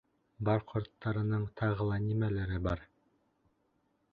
— Бал ҡорттарының тағы ла нимәләре бар?